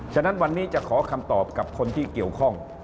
ฉะนั้นวันนี้จะขอคำตอบกับคนที่เกี่ยวข้อง